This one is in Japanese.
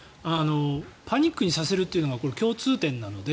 パニックにさせるというのがこれ、共通点なので。